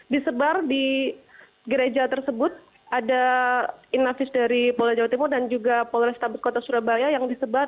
disebar di gereja tersebut ada inavis dari polda jawa timur dan juga polrestabes kota surabaya yang disebar